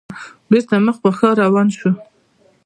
بېرته مخ په ښار روان شوو.